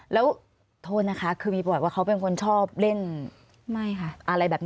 แล้วโทษนะคะคือมีประวัติว่าเขาเป็นคนชอบเล่นไม่ค่ะอะไรแบบนี้